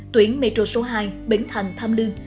tuyển metro số hai bến thành tham lương